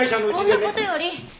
そんな事より。